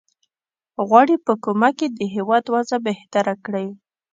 غواړي په کومک یې د هیواد وضع بهتره کړي.